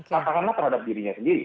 katakanlah terhadap dirinya sendiri